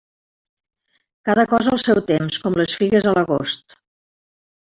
Cada cosa al seu temps, com les figues a l'agost.